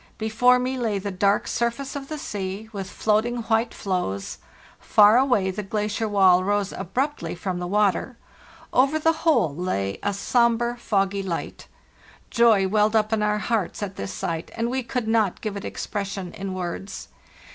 Be fore me lay the dark surface of the sea, with floating white floes; far away the glacier wall rose abruptly from oht. ro) the water; over the whole lay a sombre, foggy li Joy welled up in our hearts at this sight, and we could not give it expression in words.